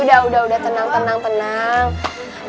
udah udah tenang tenang tenang tenang